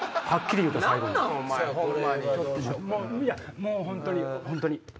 いやもう本当に！